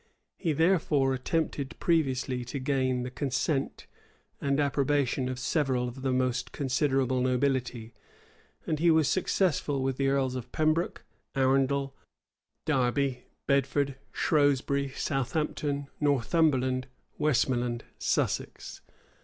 He therefore attempted previously to gain the consent and approbation of several of the most considerable nobility; and he was successful with the earls of Pembroke, Arundel, Derby, Bedford, Shrewsbury, Southampton, Northumberland, Westmoreland, Sussex.